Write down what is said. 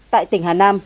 tại tỉnh hà nam